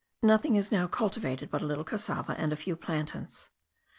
Nothing is now cultivated but a little cassava, and a few plantains.